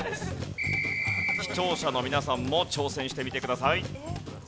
視聴者の皆さんも挑戦してみてください。